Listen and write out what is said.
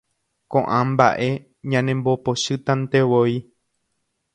Ko'ã mba'e ñanembopochytantevoi.